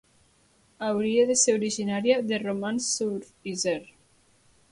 Hauria de ser originària de Romans-sur-Isère.